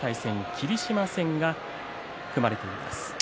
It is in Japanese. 霧島戦が組まれています。